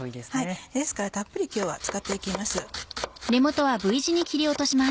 ですからたっぷり今日は使って行きます。